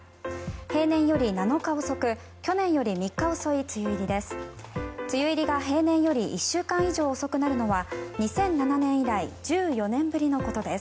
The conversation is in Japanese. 平年より７日遅く去年より３日遅い梅雨入りです。